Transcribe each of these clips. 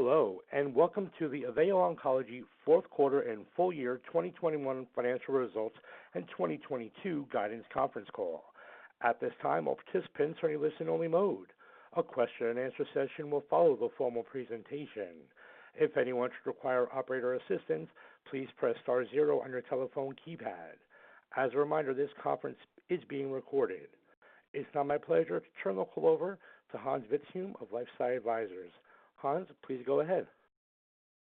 Hello, and welcome to the AVEO Oncology Fourth Quarter and Full Year 2021 Financial Results and 2022 Guidance Conference Call. At this time, all participants are in listen-only mode. A question-and-answer session will follow the formal presentation. If anyone should require operator assistance, please press star zero on your telephone keypad. As a reminder, this conference is being recorded. It's now my pleasure to turn the call over to Hans Vitzthum of LifeSci Advisors. Hans, please go ahead.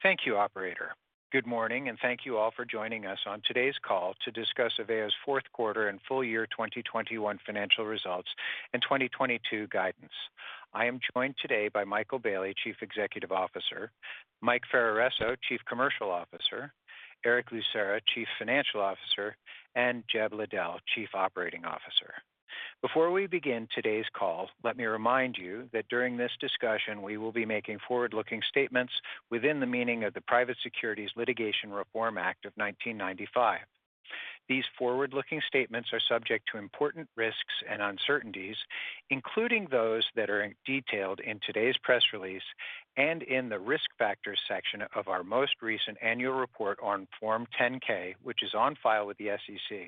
Thank you, operator. Good morning, and thank you all for joining us on today's call to discuss AVEO's fourth quarter and full year 2021 financial results and 2022 guidance. I am joined today by Michael Bailey, Chief Executive Officer, Mike Ferraresso, Chief Commercial Officer, Erick Lucera, Chief Financial Officer, and Jeb Ledell, Chief Operating Officer. Before we begin today's call, let me remind you that during this discussion we will be making forward-looking statements within the meaning of the Private Securities Litigation Reform Act of 1995. These forward-looking statements are subject to important risks and uncertainties, including those that are detailed in today's press release and in the Risk Factors section of our most recent annual report on Form 10-K, which is on file with the SEC,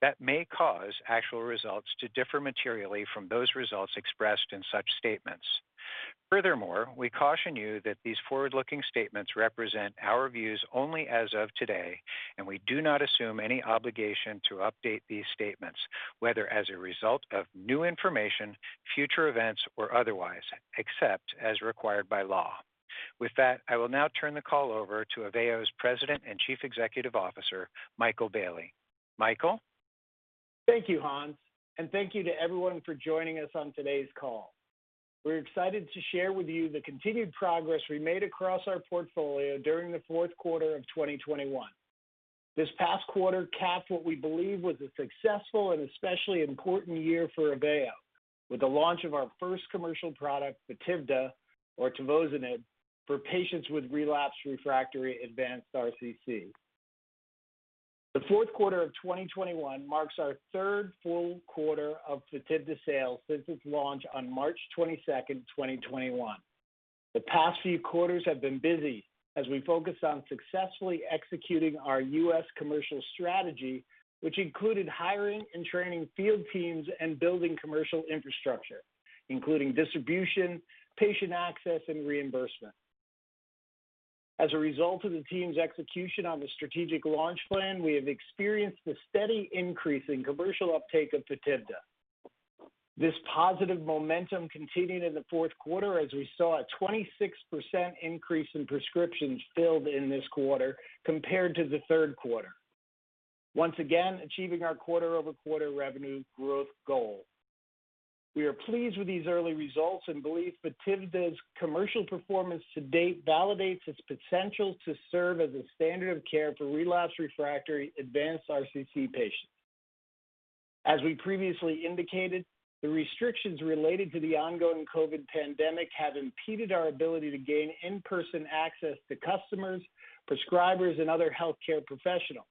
that may cause actual results to differ materially from those results expressed in such statements. Furthermore, we caution you that these forward-looking statements represent our views only as of today, and we do not assume any obligation to update these statements, whether as a result of new information, future events or otherwise, except as required by law. With that, I will now turn the call over to AVEO's President and Chief Executive Officer, Michael Bailey. Michael? Thank you, Hans, and thank you to everyone for joining us on today's call. We're excited to share with you the continued progress we made across our portfolio during the fourth quarter of 2021. This past quarter capped what we believe was a successful and especially important year for AVEO with the launch of our first commercial product, FOTIVDA or tivozanib, for patients with relapsed refractory advanced RCC. The fourth quarter of 2021 marks our third full quarter of FOTIVDA sales since its launch on March 22nd, 2021. The past few quarters have been busy as we focused on successfully executing our U.S. commercial strategy, which included hiring and training field teams and building commercial infrastructure, including distribution, patient access and reimbursement. As a result of the team's execution on the strategic launch plan, we have experienced a steady increase in commercial uptake of FOTIVDA. This positive momentum continued in the fourth quarter as we saw a 26% increase in prescriptions filled in this quarter compared to the third quarter, once again achieving our quarter-over-quarter revenue growth goal. We are pleased with these early results and believe FOTIVDA's commercial performance to date validates its potential to serve as a standard of care for relapsed refractory advanced RCC patients. As we previously indicated, the restrictions related to the ongoing COVID pandemic have impeded our ability to gain in-person access to customers, prescribers and other healthcare professionals.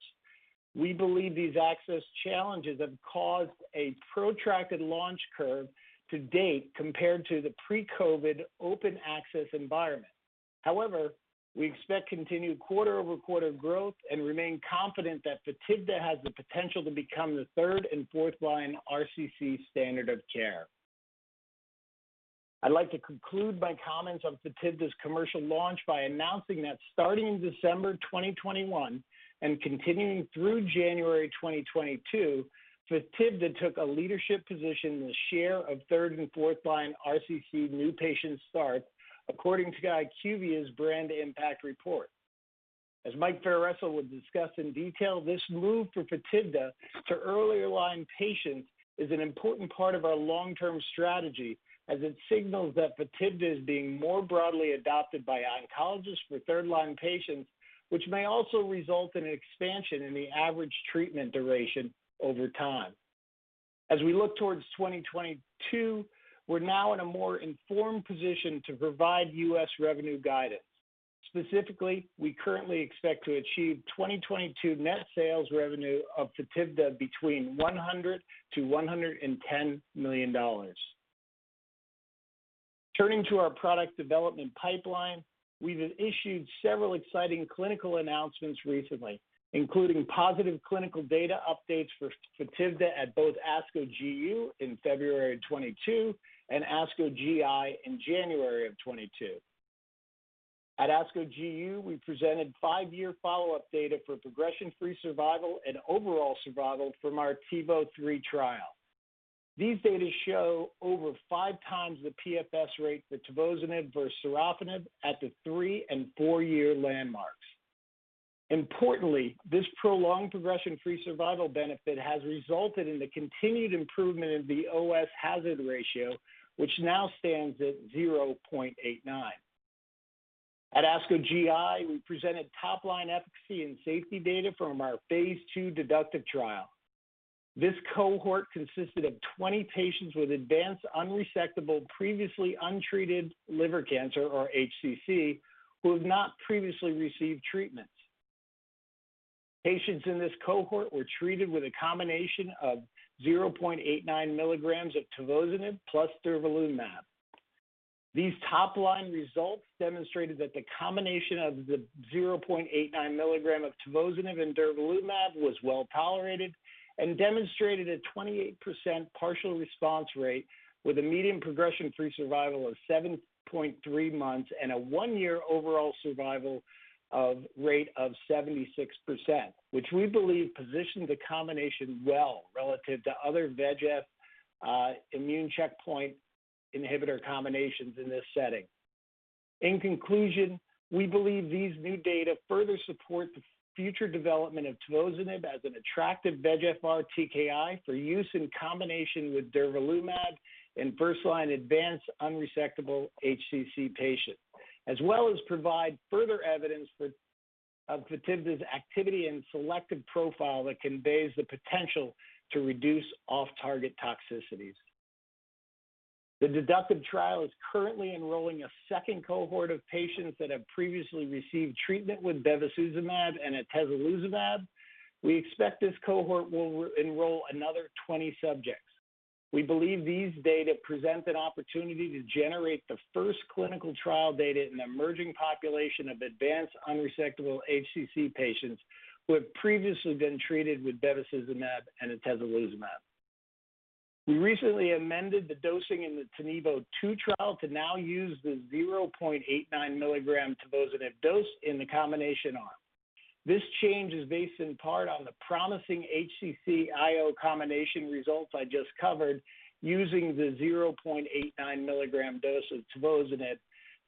We believe these access challenges have caused a protracted launch curve to date compared to the pre-COVID open access environment. However, we expect continued quarter-over-quarter growth and remain confident that FOTIVDA has the potential to become the third and fourth line RCC standard of care. I'd like to conclude my comments on FOTIVDA's commercial launch by announcing that starting in December 2021 and continuing through January 2022, FOTIVDA took a leadership position in the share of third and fourth line RCC new patient starts according to IQVIA's BrandImpact report. As Mike Ferraresso will discuss in detail, this move for FOTIVDA to earlier line patients is an important part of our long-term strategy as it signals that FOTIVDA is being more broadly adopted by oncologists for third line patients, which may also result in an expansion in the average treatment duration over time. As we look towards 2022, we're now in a more informed position to provide U.S. revenue guidance. Specifically, we currently expect to achieve 2022 net sales revenue of FOTIVDA between $100 million-$110 million. Turning to our product development pipeline, we've issued several exciting clinical announcements recently, including positive clinical data updates for FOTIVDA at both ASCO GU in February 2022 and ASCO GI in January 2022. At ASCO GU, we presented five-year follow-up data for progression-free survival and overall survival from our TIVO-3 trial. These data show over five times the PFS rate for tivozanib versus sorafenib at the three- and four-year landmarks. Importantly, this prolonged progression-free survival benefit has resulted in the continued improvement in the OS hazard ratio, which now stands at 0.89. At ASCO GI, we presented top line efficacy and safety data from our phase 2 DEDUCTIVE trial. This cohort consisted of 20 patients with advanced unresectable previously untreated liver cancer or HCC, who have not previously received treatments. Patients in this cohort were treated with a combination of 0.89 mg of tivozanib plus durvalumab. These top line results demonstrated that the combination of the 0.89 mg of tivozanib and durvalumab was well tolerated and demonstrated a 28% partial response rate with a median progression-free survival of 7.3 months and a one-year overall survival rate of 76%, which we believe positions the combination well relative to other VEGF immune checkpoint inhibitor combinations in this setting. In conclusion, we believe these new data further support the future development of tivozanib as an attractive VEGFR-TKI for use in combination with durvalumab in first-line advanced unresectable HCC patients, as well as provide further evidence of FOTIVDA's activity and selective profile that conveys the potential to reduce off-target toxicities. The DEDUCTIVE trial is currently enrolling a second cohort of patients that have previously received treatment with bevacizumab and atezolizumab. We expect this cohort will re-enroll another 20 subjects. We believe these data present an opportunity to generate the first clinical trial data in the emerging population of advanced unresectable HCC patients who have previously been treated with bevacizumab and atezolizumab. We recently amended the dosing in the TiNivo-2 trial to now use the 0.89 mg tivozanib dose in the combination arm. This change is based in part on the promising HCC IO combination results I just covered using the 0.89 mg dose of tivozanib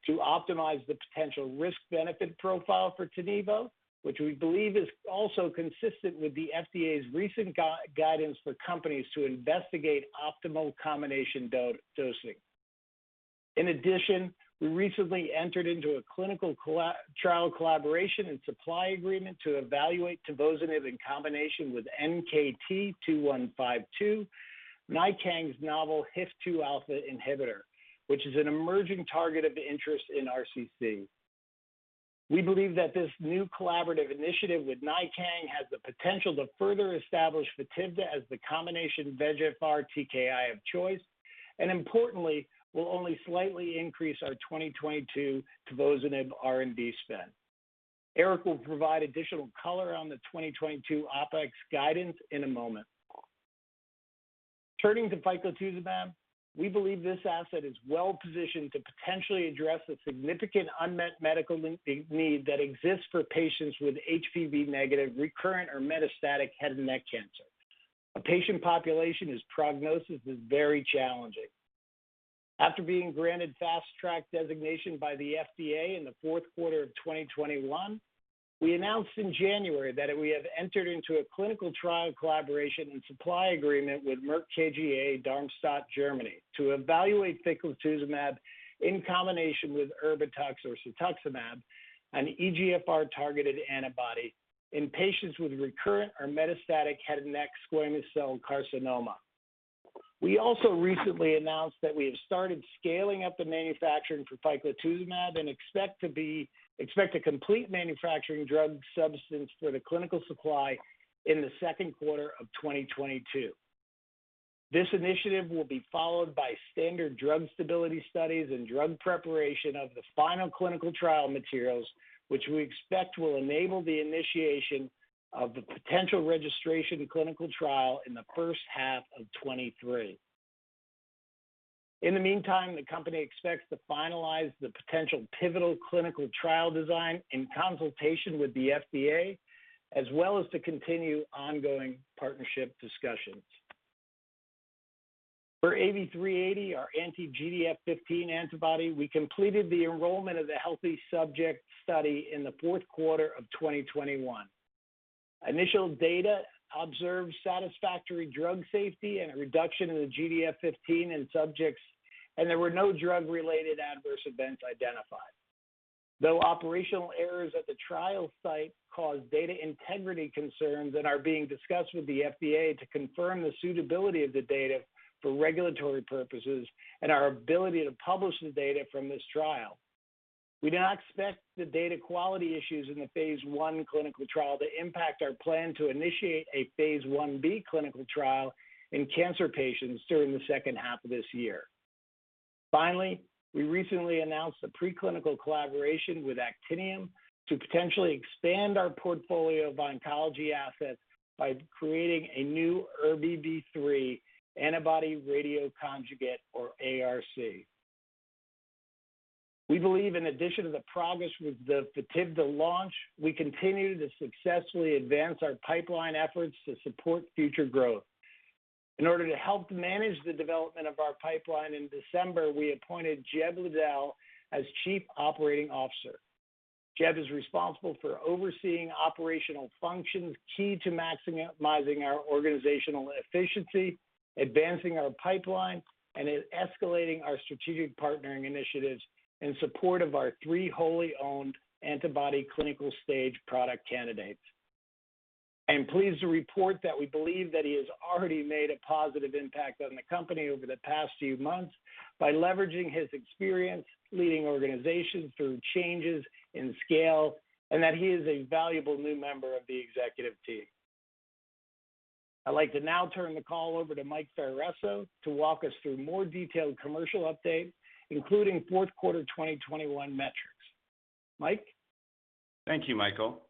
to optimize the potential risk-benefit profile for tivozanib, which we believe is also consistent with the FDA's recent guidance for companies to investigate optimal combination dosing. In addition, we recently entered into a clinical trial collaboration and supply agreement to evaluate tivozanib in combination with NKT2152, NiKang's novel HIF-2 alpha inhibitor, which is an emerging target of interest in RCC. We believe that this new collaborative initiative with NiKang has the potential to further establish FOTIVDA as the combination VEGFR-TKI of choice, and importantly, will only slightly increase our 2022 tivozanib R&D spend. Eric will provide additional color on the 2022 OpEx guidance in a moment. Turning to ficlatuzumab, we believe this asset is well-positioned to potentially address a significant unmet medical need that exists for patients with HPV-negative, recurrent, or metastatic head and neck cancer. A patient population whose prognosis is very challenging. After being granted Fast Track designation by the FDA in the fourth quarter of 2021, we announced in January that we have entered into a clinical trial collaboration and supply agreement with Merck KGaA, Darmstadt, Germany, to evaluate ficlatuzumab in combination with Erbitux or cetuximab, an EGFR-targeted antibody in patients with recurrent or metastatic head and neck squamous cell carcinoma. We also recently announced that we have started scaling up the manufacturing for ficlatuzumab and expect to complete manufacturing drug substance for the clinical supply in the second quarter of 2022. This initiative will be followed by standard drug stability studies and drug preparation of the final clinical trial materials, which we expect will enable the initiation of the potential registration clinical trial in the first half of 2023. In the meantime, the company expects to finalize the potential pivotal clinical trial design in consultation with the FDA, as well as to continue ongoing partnership discussions. For AV380, our anti-GDF-15 antibody, we completed the enrollment of the healthy subject study in the fourth quarter of 2021. Initial data observed satisfactory drug safety and a reduction in the GDF-15 in subjects, and there were no drug-related adverse events identified. Though operational errors at the trial site caused data integrity concerns and are being discussed with the FDA to confirm the suitability of the data for regulatory purposes and our ability to publish the data from this trial. We do not expect the data quality issues in the phase 1 clinical trial to impact our plan to initiate a phase 1b clinical trial in cancer patients during the second half of this year. Finally, we recently announced a preclinical collaboration with Actinium to potentially expand our portfolio of oncology assets by creating a new ERBB3 antibody radio conjugate or ARC. We believe in addition to the progress with the FOTIVDA launch, we continue to successfully advance our pipeline efforts to support future growth. In order to help manage the development of our pipeline in December, we appointed Jeb Ledell as Chief Operating Officer. Jeb Ledell is responsible for overseeing operational functions key to maximizing our organizational efficiency, advancing our pipeline, and escalating our strategic partnering initiatives in support of our three wholly owned antibody clinical stage product candidates. I am pleased to report that we believe that he has already made a positive impact on the company over the past few months by leveraging his experience leading organizations through changes in scale, and that he is a valuable new member of the executive team. I'd like to now turn the call over to Mike Ferraresso to walk us through more detailed commercial update, including fourth quarter 2021 metrics. Mike? Thank you, Michael.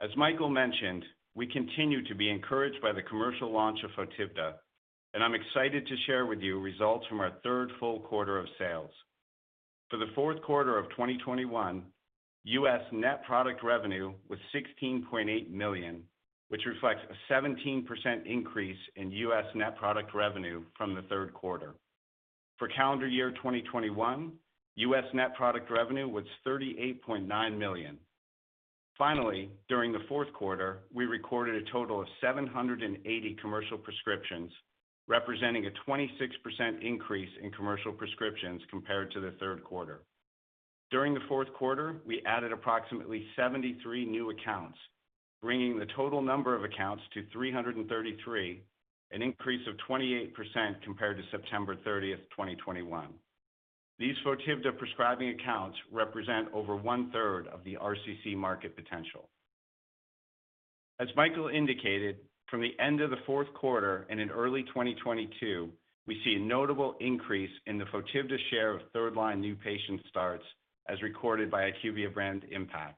As Michael mentioned, we continue to be encouraged by the commercial launch of FOTIVDA, and I'm excited to share with you results from our third full quarter of sales. For the fourth quarter of 2021, U.S. net product revenue was $16.8 million, which reflects a 17% increase in U.S. net product revenue from the third quarter. For calendar year 2021, U.S. net product revenue was $38.9 million. Finally, during the fourth quarter, we recorded a total of 780 commercial prescriptions, representing a 26% increase in commercial prescriptions compared to the third quarter. During the fourth quarter, we added approximately 73 new accounts, bringing the total number of accounts to 333, an increase of 28% compared to September 30, 2021. These FOTIVDA prescribing accounts represent over 1/3 of the RCC market potential. As Michael indicated, from the end of the fourth quarter and in early 2022, we see a notable increase in the FOTIVDA share of third-line new patient starts as recorded by IQVIA BrandImpact,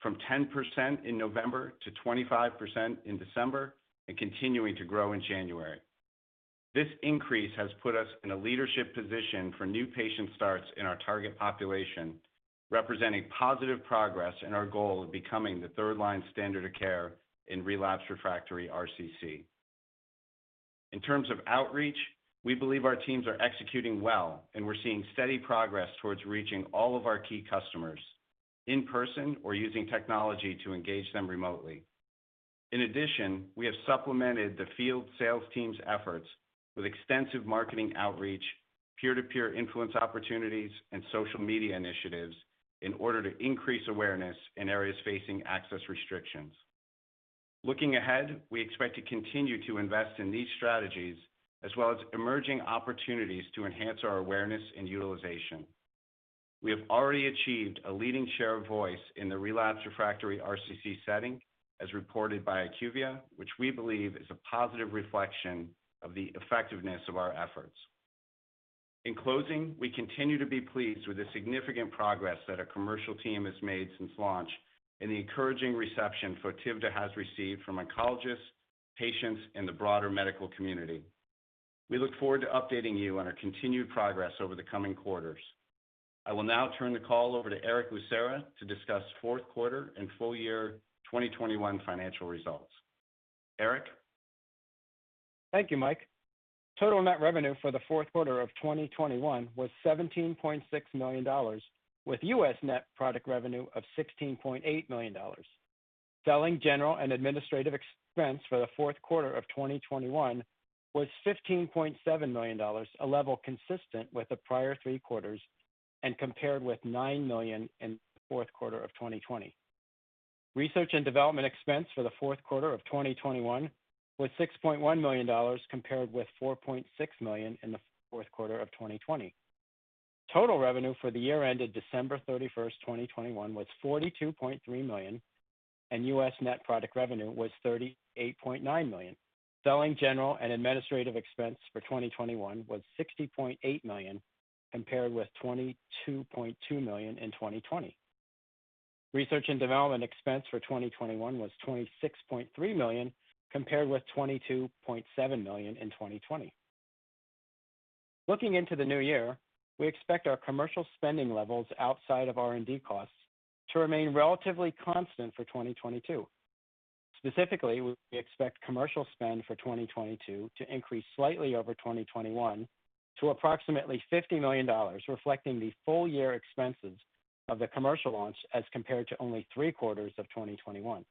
from 10% in November to 25% in December and continuing to grow in January. This increase has put us in a leadership position for new patient starts in our target population, representing positive progress in our goal of becoming the third-line standard of care in relapsed refractory RCC. In terms of outreach, we believe our teams are executing well, and we're seeing steady progress towards reaching all of our key customers in person or using technology to engage them remotely. In addition, we have supplemented the field sales team's efforts with extensive marketing outreach, peer-to-peer influence opportunities, and social media initiatives in order to increase awareness in areas facing access restrictions. Looking ahead, we expect to continue to invest in these strategies as well as emerging opportunities to enhance our awareness and utilization. We have already achieved a leading share of voice in the relapsed refractory RCC setting, as reported by IQVIA, which we believe is a positive reflection of the effectiveness of our efforts. In closing, we continue to be pleased with the significant progress that our commercial team has made since launch and the encouraging reception FOTIVDA has received from oncologists, patients, and the broader medical community. We look forward to updating you on our continued progress over the coming quarters. I will now turn the call over to Erick Lucera to discuss fourth quarter and full year 2021 financial results. Eric? Thank you, Mike. Total net revenue for the fourth quarter of 2021 was $17.6 million, with U.S. net product revenue of $16.8 million. Selling, general, and administrative expense for the fourth quarter of 2021 was $15.7 million, a level consistent with the prior three quarters and compared with $9 million in the fourth quarter of 2020. Research and development expense for the fourth quarter of 2021 was $6.1 million compared with $4.6 million in the fourth quarter of 2020. Total revenue for the year ended December 31st, 2021 was $42.3 million, and U.S. net product revenue was $38.9 million. Selling, general, and administrative expense for 2021 was $60.8 million, compared with $22.2 million in 2020. Research and development expense for 2021 was $26.3 million, compared with $22.7 million in 2020. Looking into the new year, we expect our commercial spending levels outside of R&D costs to remain relatively constant for 2022. Specifically, we expect commercial spend for 2022 to increase slightly over 2021 to approximately $50 million, reflecting the full year expenses of the commercial launch as compared to only three quarters of 2021.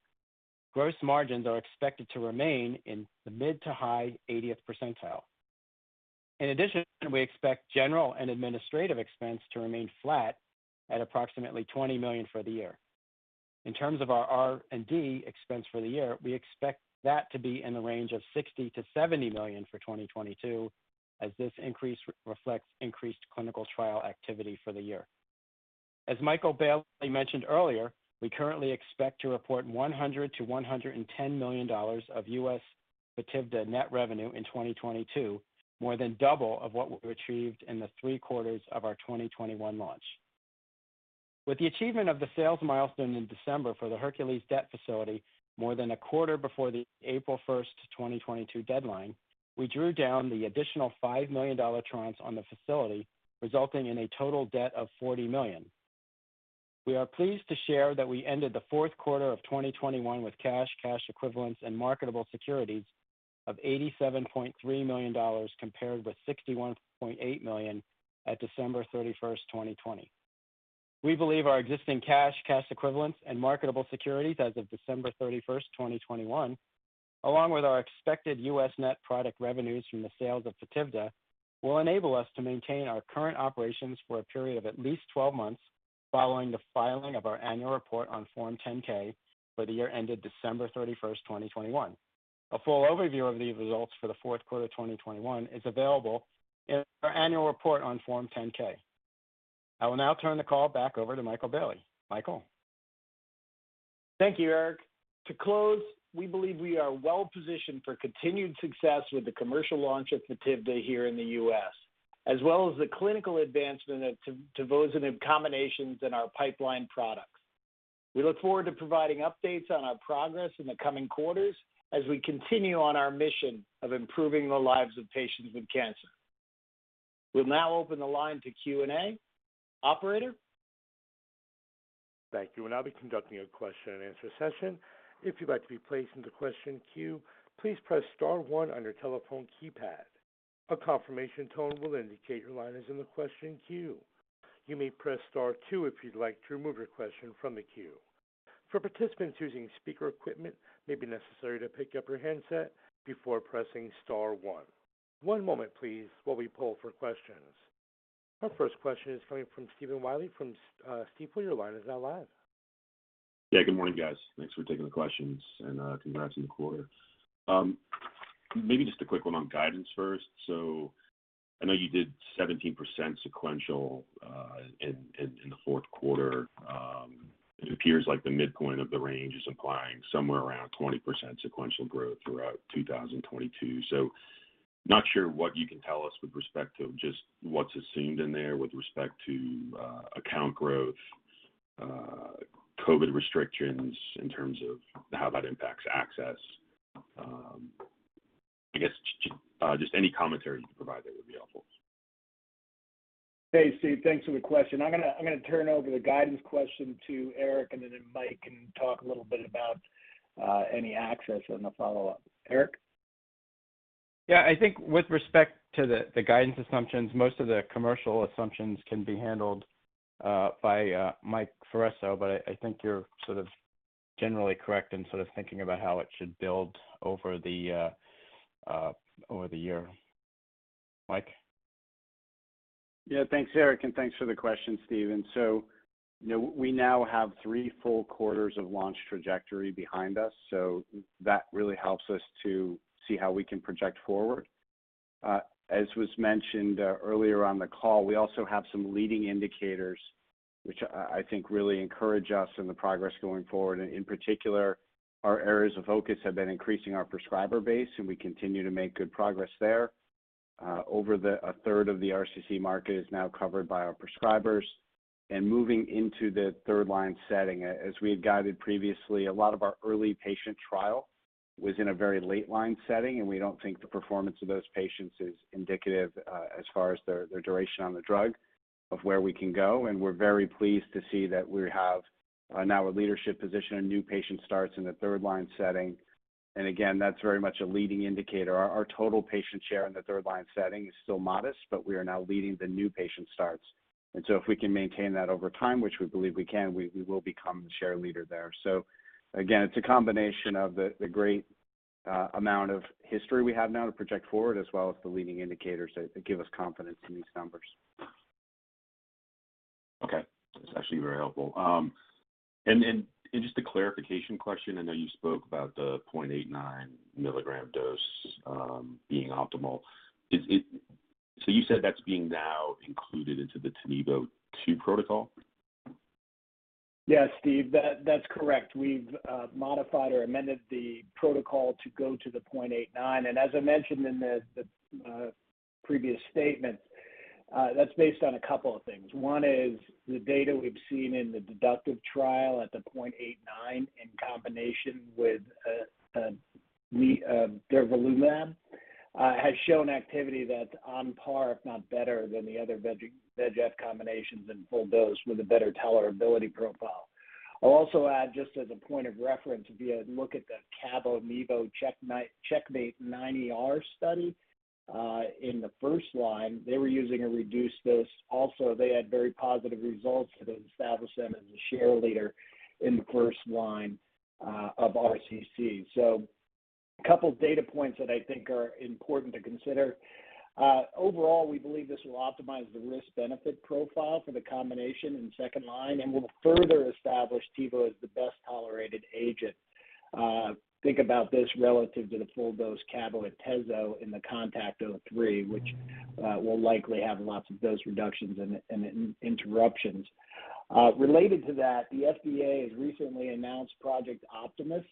Gross margins are expected to remain in the mid- to high-80 percentile. In addition, we expect general and administrative expense to remain flat at approximately $20 million for the year. In terms of our R&D expense for the year, we expect that to be in the range of $60 million-$70 million for 2022, as this increase reflects increased clinical trial activity for the year. As Michael Bailey mentioned earlier, we currently expect to report $100 million-$110 million of U.S. FOTIVDA net revenue in 2022, more than double of what we reported in the three quarters of our 2021 launch. With the achievement of the sales milestone in December for the Hercules debt facility, more than a quarter before the April 1st, 2022 deadline, we drew down the additional $5 million tranche on the facility, resulting in a total debt of $40 million. We are pleased to share that we ended the fourth quarter of 2021 with cash equivalents, and marketable securities of $87.3 million compared with $61.8 million at December 31st, 2020. We believe our existing cash equivalents, and marketable securities as of December 31st, 2021. Along with our expected U.S. net product revenues from the sales of FOTIVDA will enable us to maintain our current operations for a period of at least 12 months following the filing of our annual report on Form 10-K for the year ended December 31st, 2021. A full overview of the results for the fourth quarter 2021 is available in our annual report on Form 10-K. I will now turn the call back over to Michael Bailey. Michael? Thank you, Erick. To close, we believe we are well-positioned for continued success with the commercial launch of FOTIVDA here in the U.S., as well as the clinical advancement of tivozanib combinations in our pipeline products. We look forward to providing updates on our progress in the coming quarters as we continue on our mission of improving the lives of patients with cancer. We'll now open the line to Q&A. Operator? Thank you. We'll now be conducting a question and answer session. If you'd like to be placed into question queue, please press star one on your telephone keypad. A confirmation tone will indicate your line is in the question queue. You may press star two if you'd like to remove your question from the queue. For participants using speaker equipment, it may be necessary to pick up your handset before pressing star one. One moment, please, while we pull for questions. Our first question is coming from Stephen Willey. Steve, your line is now live. Yeah, good morning, guys. Thanks for taking the questions and congrats on the quarter. Maybe just a quick one on guidance first. I know you did 17% sequential in the fourth quarter. It appears like the midpoint of the range is implying somewhere around 20% sequential growth throughout 2022. Not sure what you can tell us with respect to just what's assumed in there with respect to account growth, COVID restrictions in terms of how that impacts access. I guess just any commentary you can provide there would be helpful. Hey, Steve. Thanks for the question. I'm gonna turn over the guidance question to Erick, and then Mike can talk a little bit about any access in the follow-up. Erick? Yeah. I think with respect to the guidance assumptions, most of the commercial assumptions can be handled by Mike Ferraresso, but I think you're sort of generally correct in sort of thinking about how it should build over the year. Mike? Yeah. Thanks, Erick, and thanks for the question, Stephen. You know, we now have three full quarters of launch trajectory behind us, so that really helps us to see how we can project forward. As was mentioned earlier on the call, we also have some leading indicators, which I think really encourage us in the progress going forward. In particular, our areas of focus have been increasing our prescriber base, and we continue to make good progress there. Over a third of the RCC market is now covered by our prescribers. Moving into the third line setting, as we had guided previously, a lot of our early patient trial was in a very late line setting, and we don't think the performance of those patients is indicative as far as their duration on the drug of where we can go. We're very pleased to see that we have now a leadership position and new patient starts in the third line setting. Again, that's very much a leading indicator. Our total patient share in the third line setting is still modest, but we are now leading the new patient starts. If we can maintain that over time, which we believe we can, we will become the share leader there. Again, it's a combination of the great amount of history we have now to project forward, as well as the leading indicators that give us confidence in these numbers. Okay. That's actually very helpful. Just a clarification question. I know you spoke about the 0.89 milligram dose being optimal. You said that's being now included into the TiNivo-2 protocol? Yeah, Steve. That's correct. We've modified or amended the protocol to go to the 0.89. As I mentioned in the previous statements, that's based on a couple of things. One is the data we've seen in the DEDUCTIVE trial at the 0.89 in combination with durvalumab has shown activity that's on par, if not better, than the other VEGF combinations in full dose with a better tolerability profile. I'll also add just as a point of reference, if you look at the CABOMETYX CheckMate 9ER study in the first line, they were using a reduced dose. Also, they had very positive results that established them as a share leader in the first line of RCC. A couple data points that I think are important to consider. Overall, we believe this will optimize the risk-benefit profile for the combination in the second line and will further establish Tivo as the best-tolerated agent. Think about this relative to the full-dose Cabo and Tezo in the CONTACT-03, which will likely have lots of dose reductions and interruptions. Related to that, the FDA has recently announced Project Optimus,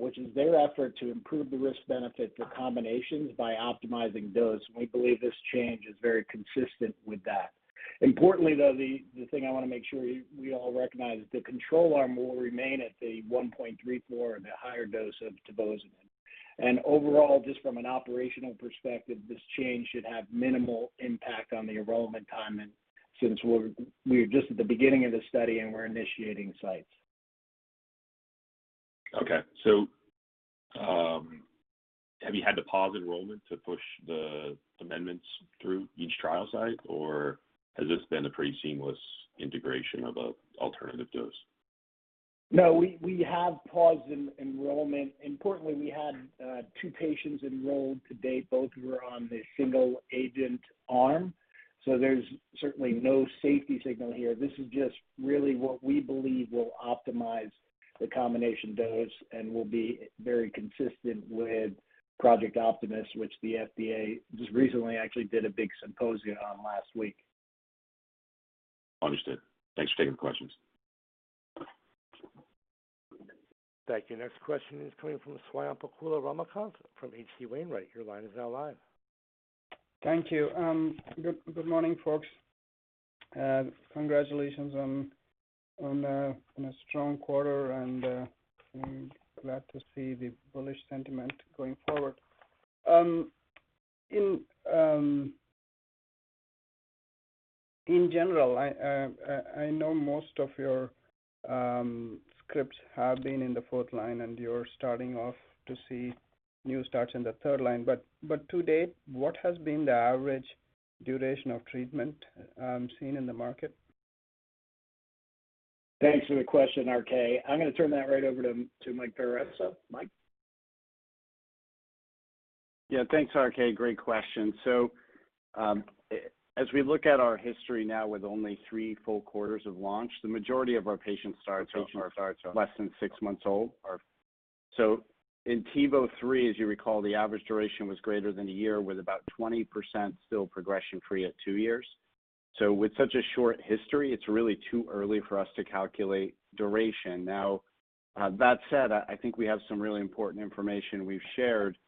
which is their effort to improve the risk-benefit for combinations by optimizing dose. We believe this change is very consistent with that. Importantly, though, the thing I wanna make sure we all recognize is the control arm will remain at the 1.34 and the higher dose of atezolizumab. Overall, just from an operational perspective, this change should have minimal impact on the enrollment timing since we're just at the beginning of the study and we're initiating sites. Have you had to pause enrollment to push the amendments through each trial site, or has this been a pretty seamless integration of an alternative dose? No, we have paused enrollment. Importantly, we had two patients enrolled to date, both were on the single agent arm. There's certainly no safety signal here. This is just really what we believe will optimize the combination dose and will be very consistent with Project Optimus, which the FDA just recently actually did a big symposium on last week. Understood. Thanks for taking the questions. Thank you. Next question is coming from Swayampakula Ramakanth from H.C. Wainwright. Your line is now live. Thank you. Good morning, folks. Congratulations on a strong quarter and we're glad to see the bullish sentiment going forward. In general I know most of your scripts have been in the fourth line, and you're starting off to see new starts in the third line. To date, what has been the average duration of treatment seen in the market? Thanks for the question, RK. I'm gonna turn that right over to Mike Ferraresso. Mike? Yeah. Thanks, RK. Great question. As we look at our history now with only three full quarters of launch, the majority of our patient starts are less than six months old. In TIVO-3, as you recall, the average duration was greater than a year with about 20% still progression free at two years. With such a short history, it's really too early for us to calculate duration. Now, that said, I think we have some really important information we've shared,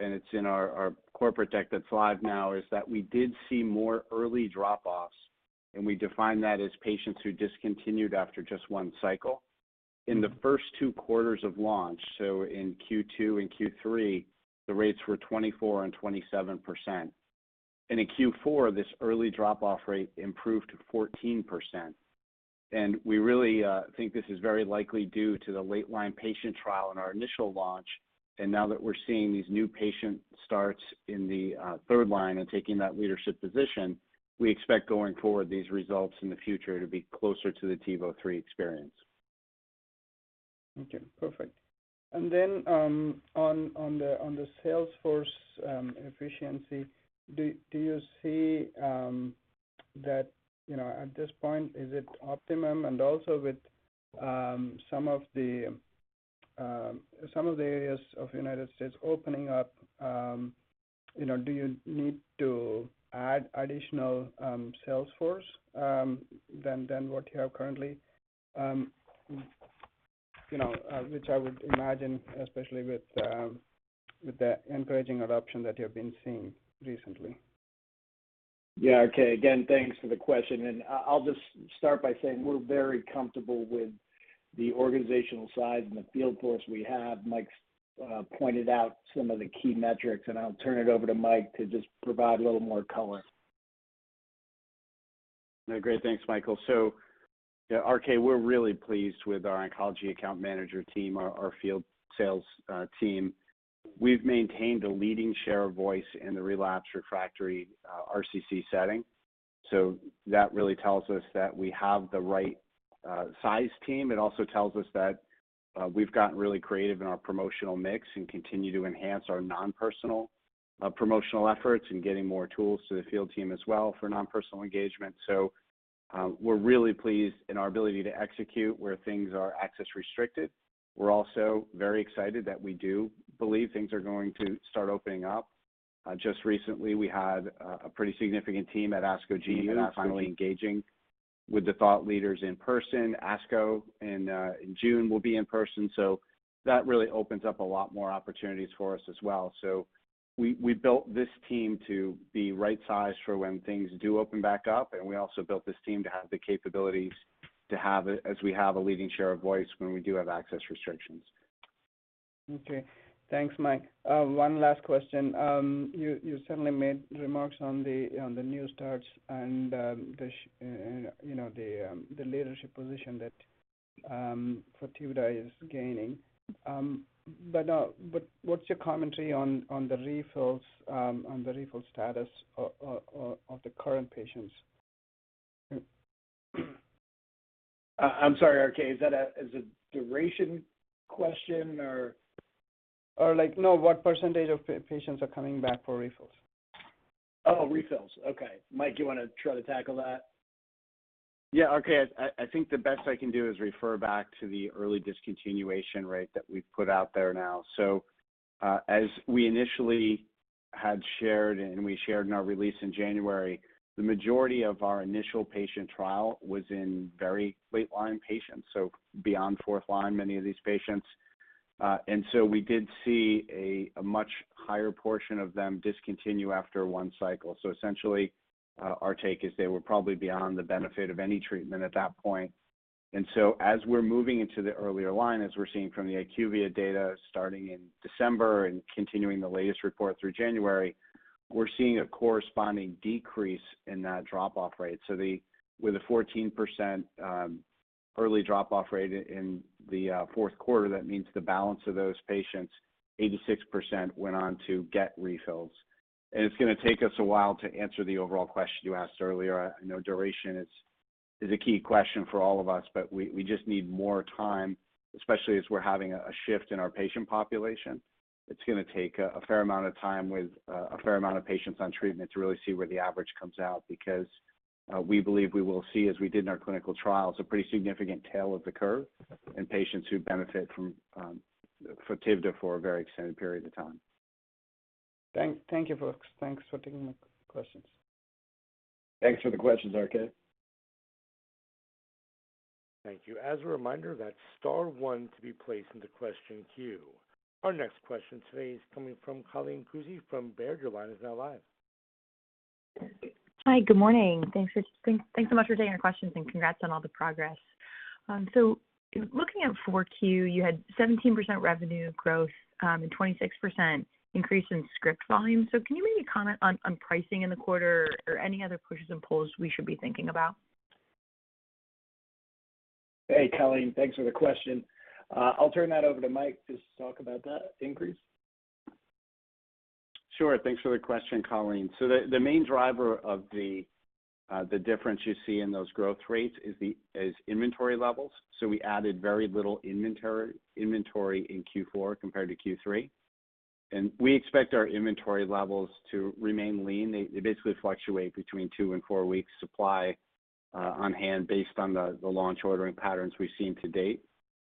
and it's in our corporate deck that's live now, is that we did see more early drop-offs, and we define that as patients who discontinued after just one cycle. In the first two quarters of launch, so in Q2 and Q3, the rates were 24% and 27%. In Q4, this early drop-off rate improved to 14%. We really think this is very likely due to the late line patient trial in our initial launch. Now that we're seeing these new patient starts in the third line and taking that leadership position, we expect going forward these results in the future to be closer to the TIVO-3 experience. Okay. Perfect. On the sales force efficiency, do you see that you know at this point is it optimum? Also with some of the areas of United States opening up, you know, do you need to add additional sales force than what you have currently, you know, which I would imagine especially with the encouraging adoption that you have been seeing recently? Yeah. Okay. Again, thanks for the question. I'll just start by saying we're very comfortable with the organizational side and the field force we have. Mike's pointed out some of the key metrics, and I'll turn it over to Mike to just provide a little more color. No. Great. Thanks, Michael. Yeah, RK, we're really pleased with our oncology account manager team, our field sales team. We've maintained a leading share of voice in the relapsed refractory RCC setting. That really tells us that we have the right size team. It also tells us that we've gotten really creative in our promotional mix and continue to enhance our non-personal promotional efforts and getting more tools to the field team as well for non-personal engagement. We're really pleased in our ability to execute where things are access restricted. We're also very excited that we do believe things are going to start opening up. Just recently we had a pretty significant team at ASCO GU finally engaging with the thought leaders in person. ASCO in June will be in person, so that really opens up a lot more opportunities for us as well. We built this team to be right sized for when things do open back up, and we also built this team to have the capabilities to have, as we have, a leading share of voice when we do have access restrictions. Okay. Thanks, Mike. One last question. You certainly made remarks on the new starts and you know the leadership position that FOTIVDA is gaining. What's your commentary on the refills on the refill status of the current patients? I'm sorry, RK. Is that a duration question or? What percentage of patients are coming back for refills? Oh, refills. Okay. Mike, you wanna try to tackle that? I think the best I can do is refer back to the early discontinuation rate that we've put out there now. As we initially had shared, and we shared in our release in January, the majority of our initial patient trial was in very late line patients, so beyond fourth line, many of these patients. We did see a much higher portion of them discontinue after one cycle. Essentially, our take is they were probably beyond the benefit of any treatment at that point. As we're moving into the earlier line, as we're seeing from the IQVIA data starting in December and continuing the latest report through January, we're seeing a corresponding decrease in that drop-off rate. With a 14%, Early drop off rate in the fourth quarter, that means the balance of those patients, 86% went on to get refills. It's gonna take us a while to answer the overall question you asked earlier. I know duration is a key question for all of us, but we just need more time, especially as we're having a shift in our patient population. It's gonna take a fair amount of time with a fair amount of patients on treatment to really see where the average comes out because we believe we will see as we did in our clinical trials, a pretty significant tail of the curve in patients who benefit from FOTIVDA for a very extended period of time. Thank you, folks. Thanks for taking the questions. Thanks for the questions, RK. Thank you. As a reminder, that's star one to be placed in the question queue. Our next question today is coming from Colleen Kusy from Baird. Your line is now live. Hi. Good morning. Thanks so much for taking our questions, and congrats on all the progress. Looking at 4Q, you had 17% revenue growth, and 26% increase in script volume. Can you maybe comment on pricing in the quarter or any other pushes and pulls we should be thinking about? Hey, Colleen. Thanks for the question. I'll turn that over to Mike just to talk about that increase. Sure. Thanks for the question, Colleen. The main driver of the difference you see in those growth rates is inventory levels. We added very little inventory in Q4 compared to Q3. We expect our inventory levels to remain lean. They basically fluctuate between two and four weeks supply on hand based on the launch ordering patterns we've seen to date.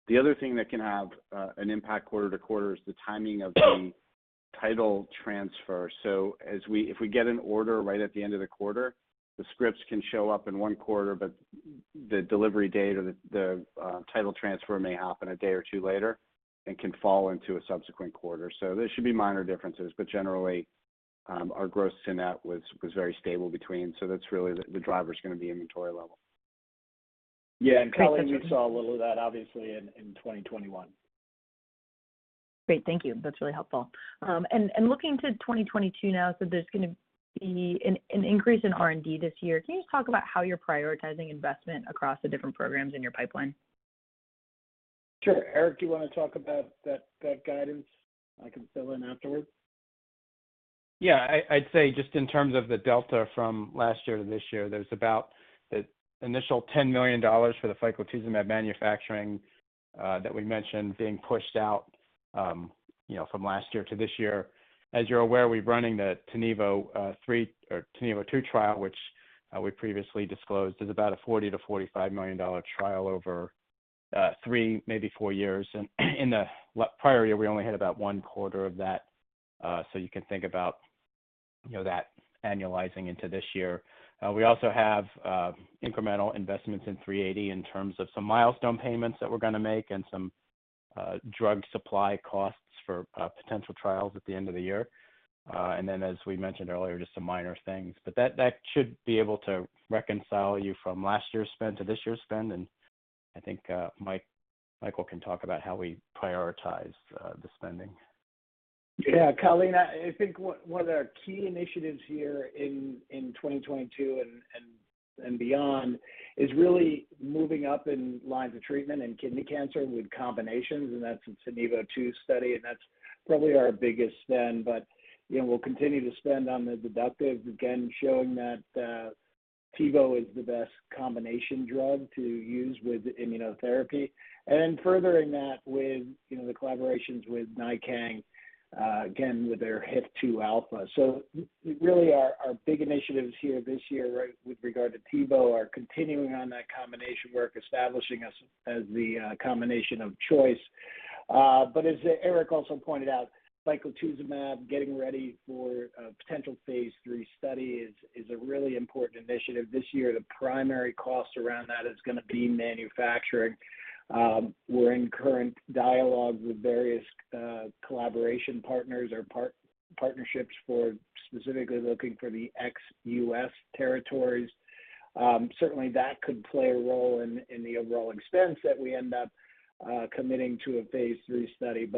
The other thing that can have an impact quarter to quarter is the timing of the title transfer. If we get an order right at the end of the quarter, the scripts can show up in one quarter, but the delivery date or the title transfer may happen a day or two later and can fall into a subsequent quarter. There should be minor differences, but generally, our gross net was very stable between. That's really the driver is gonna be inventory level. Yeah. Colleen, we saw a little of that obviously in 2021. Great. Thank you. That's really helpful. Looking to 2022 now, so there's gonna be an increase in R&D this year. Can you just talk about how you're prioritizing investment across the different programs in your pipeline? Sure. Erick, do you wanna talk about that guidance? I can fill in afterwards. I'd say just in terms of the delta from last year to this year, there's about the initial $10 million for the ficlatuzumab manufacturing that we mentioned being pushed out, you know, from last year to this year. As you're aware, we're running the TIVO-3 or TiNivo-2 trial, which we previously disclosed is about a $40 million-$45 million trial over three, maybe four years. In the prior year, we only had about one quarter of that. So you can think about, you know, that annualizing into this year. We also have incremental investments in AV-380 in terms of some milestone payments that we're gonna make and some drug supply costs for potential trials at the end of the year. And then as we mentioned earlier, just some minor things. That should be able to reconcile you from last year's spend to this year's spend. I think, Mike, Michael can talk about how we prioritize the spending. Colleen, I think one of our key initiatives here in 2022 and beyond is really moving up in lines of treatment in kidney cancer with combinations, and that's in TiNivo-2 study, and that's probably our biggest spend. You know, we'll continue to spend on the DEDUCTIVE, again, showing that Tivo is the best combination drug to use with immunotherapy. Then furthering that with, you know, the collaborations with NiKang, again, with their HIF-2 alpha. Really our big initiatives here this year, right, with regard to Tivo are continuing on that combination work, establishing us as the combination of choice. As Erick also pointed out, ficlatuzumab getting ready for a potential phase 3 study is a really important initiative this year. The primary cost around that is gonna be manufacturing. We're in current dialogue with various collaboration partners or partnerships for specifically looking for the ex-U.S. territories. Certainly that could play a role in the overall expense that we end up committing to a phase 2 study.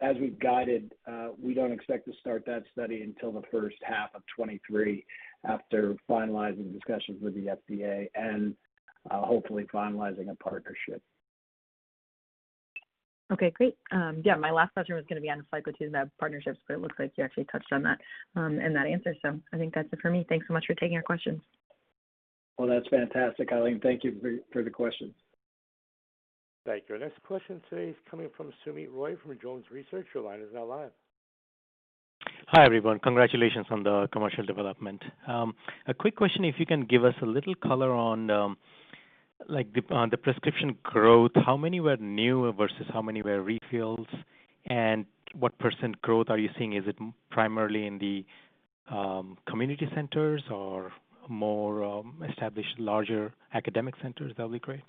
As we've guided, we don't expect to start that study until the first half of 2023 after finalizing discussions with the FDA and hopefully finalizing a partnership. Okay, great. Yeah, my last question was gonna be on the ficlatuzumab partnerships, but it looks like you actually touched on that, in that answer. I think that's it for me. Thanks so much for taking our questions. Well, that's fantastic, Colleen. Thank you for the questions. Thank you. Our next question today is coming from Soumit Roy from JonesTrading. Your line is now live. Hi, everyone. Congratulations on the commercial development. A quick question, if you can give us a little color on the prescription growth, how many were new versus how many were refills? What percent growth are you seeing? Is it primarily in the community centers or more established larger academic centers? That'll be great.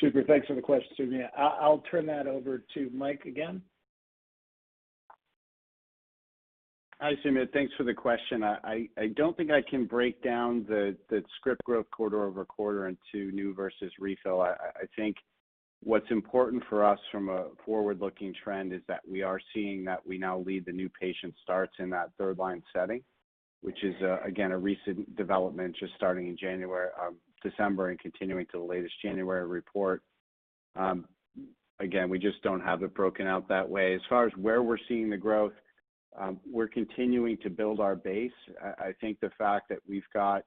Super. Thanks for the question, Soumit. I'll turn that over to Mike again. Hi, Soumit. Thanks for the question. I don't think I can break down the script growth quarter over quarter into new versus refill. I think what's important for us from a forward-looking trend is that we are seeing that we now lead the new patient starts in that third line setting, which is again a recent development just starting in December and continuing to the latest January report. Again, we just don't have it broken out that way. As far as where we're seeing the growth, we're continuing to build our base. I think the fact that we've got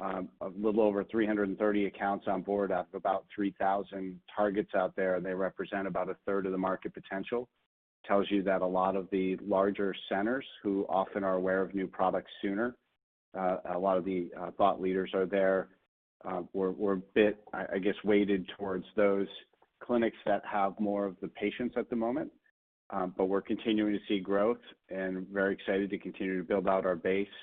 a little over 330 accounts on board of about 3,000 targets out there, and they represent about 1/3 of the market potential, tells you that a lot of the larger centers who often are aware of new products sooner, a lot of the thought leaders are there. We're a bit, I guess, weighted towards those clinics that have more of the patients at the moment. We're continuing to see growth and very excited to continue to build out our base,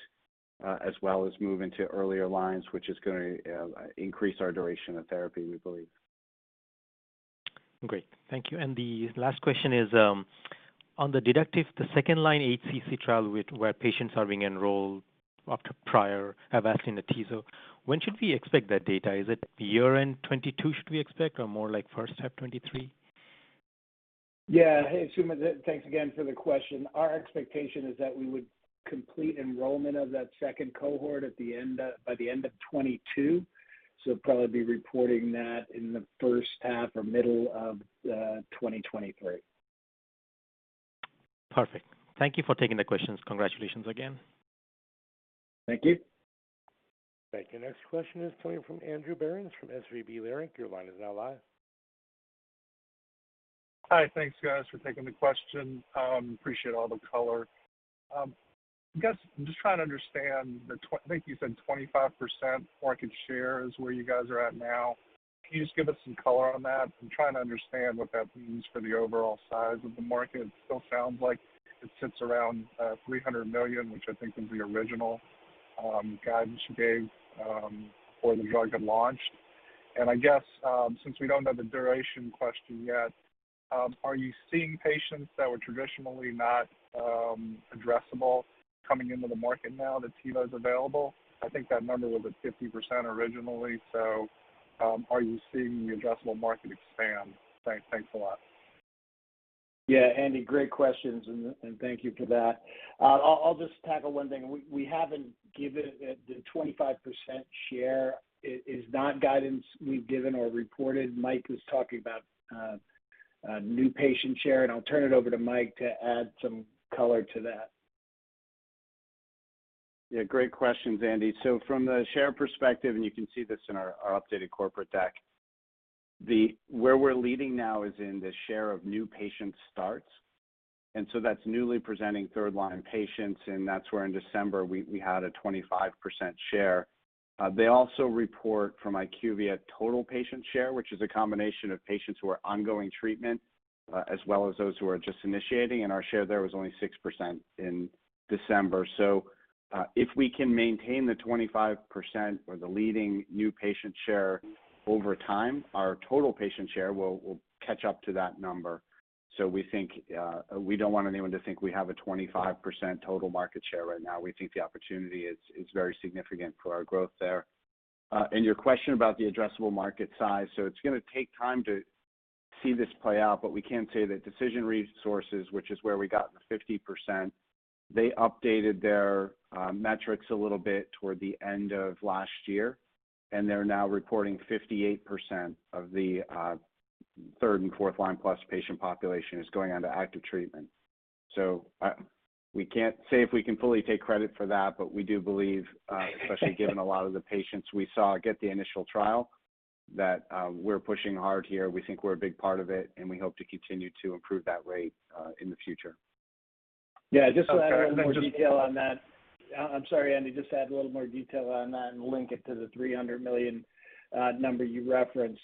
as well as move into earlier lines, which is gonna increase our duration of therapy, we believe. Great. Thank you. The last question is on the DEDUCTIVE, the second-line HCC trial where patients are being enrolled after prior Avastin in the atezo, when should we expect that data? Is it year-end 2022 should we expect, or more like first half 2023? Yeah. Hey, Soumit. Thanks again for the question. Our expectation is that we would complete enrollment of that second cohort by the end of 2022, so probably be reporting that in the first half or middle of 2023. Perfect. Thank you for taking the questions. Congratulations again. Thank you. Thank you. Next question is coming from Andrew Berens from SVB Leerink. Your line is now live. Hi. Thanks, guys, for taking the question. Appreciate all the color. I guess I'm just trying to understand. I think you said 25% market share is where you guys are at now. Can you just give us some color on that? I'm trying to understand what that means for the overall size of the market. It still sounds like it sits around $300 million, which I think was the original guidance you gave before the drug had launched. I guess, since we don't have the duration question yet, are you seeing patients that were traditionally not addressable coming into the market now that Teva's available? I think that number was at 50% originally, so are you seeing the addressable market expand? Thanks a lot. Yeah. Andrew, great questions and thank you for that. I'll just tackle one thing. We haven't given the 25% share. It is not guidance we've given or reported. Mike was talking about new patient share, and I'll turn it over to Mike to add some color to that. Yeah. Great questions, Andrew. From the share perspective, and you can see this in our updated corporate deck, where we're leading now is in the share of new patient starts, and so that's newly presenting third-line patients, and that's where in December we had a 25% share. They also report from IQVIA total patient share, which is a combination of patients who are on ongoing treatment as well as those who are just initiating, and our share there was only 6% in December. If we can maintain the 25% or the leading new patient share over time, our total patient share will catch up to that number. We think we don't want anyone to think we have a 25% total market share right now. We think the opportunity is very significant for our growth there. Your question about the addressable market size. It's gonna take time to see this play out, but we can say that Decision Resources, which is where we got the 50%, they updated their metrics a little bit toward the end of last year, and they're now reporting 58% of the third and fourth line plus patient population is going on to active treatment. We can't say if we can fully take credit for that, but we do believe, especially given a lot of the patients we saw get the initial trial, that we're pushing hard here. We think we're a big part of it, and we hope to continue to improve that rate in the future. Yeah. Just to add a little more detail on that. I'm sorry, Andy, just to add a little more detail on that and link it to the $300 million number you referenced.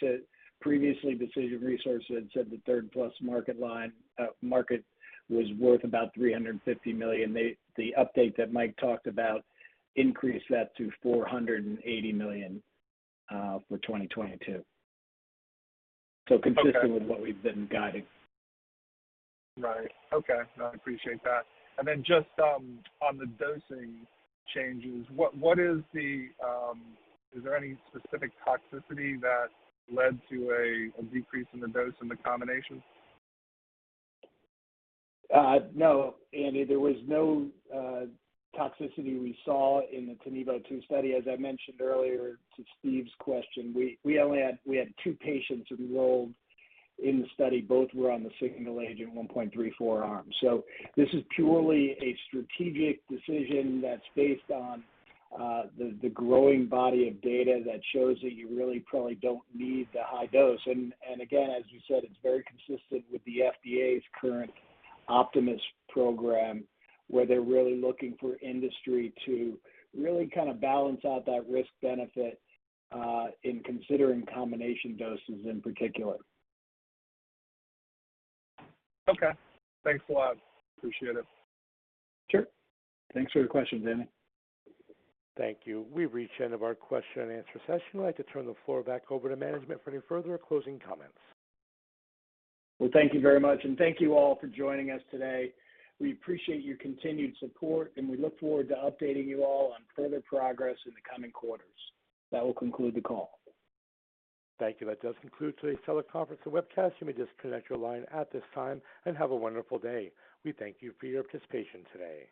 Previously, Decision Resources had said the third-plus market line market was worth about $350 million. The update that Mike talked about increased that to $480 million for 2022. Okay. Consistent with what we've been guiding. Right. Okay. No, I appreciate that. Just on the dosing changes, is there any specific toxicity that led to a decrease in the dose and the combination? No, Andrew. There was no toxicity we saw in the TiNivo-2 study. As I mentioned earlier to Stephen's question, we only had two patients enrolled in the study. Both were on the single agent 1.34 arm. This is purely a strategic decision that's based on the growing body of data that shows that you really probably don't need the high dose. Again, as you said, it's very consistent with the FDA's current Project Optimus program, where they're really looking for industry to really kinda balance out that risk-benefit in considering combination doses in particular. Okay. Thanks a lot. Appreciate it. Sure. Thanks for the question, Andrew. Thank you. We've reached the end of our question and answer session. I'd like to turn the floor back over to management for any further closing comments. Well, thank you very much, and thank you all for joining us today. We appreciate your continued support, and we look forward to updating you all on further progress in the coming quarters. That will conclude the call. Thank you. That does conclude today's teleconference or webcast. You may disconnect your line at this time and have a wonderful day. We thank you for your participation today.